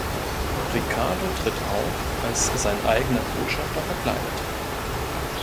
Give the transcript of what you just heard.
Riccardo tritt auf, als sein eigener Botschafter verkleidet.